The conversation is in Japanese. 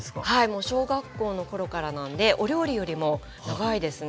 もう小学校の頃からなんでお料理よりも長いですね。